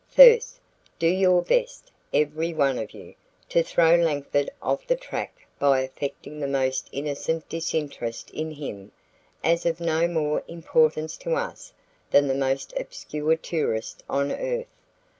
First, do your best, every one of you, to throw Langford off the track by affecting the most innocent disinterest in him as of no more importance to us than the most obscure tourist on earth.